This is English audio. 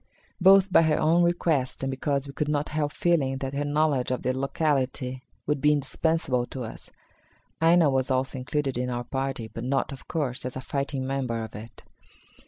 Both by her own request and because we could not help feeling that her knowledge of the locality would be indispensable to us, Aina was also included in our party, but not, of course, as a fighting member of it.